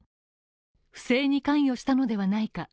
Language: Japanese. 不正に関与したのではないか。